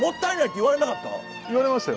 言われましたよ。